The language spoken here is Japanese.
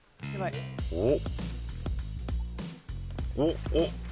おっ？